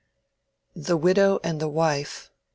THE WIDOW AND THE WIFE.